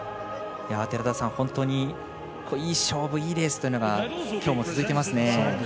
本当にいい勝負いいレースというのがきょうも続いてますね。